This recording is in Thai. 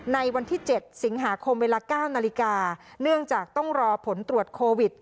ในวันที่๗สิงหาคมเวลา๙นาฬิกาเนื่องจากต้องรอผลตรวจโควิด